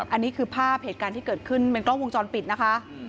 อันนี้คือภาพเหตุการณ์ที่เกิดขึ้นเป็นกล้องวงจรปิดนะคะ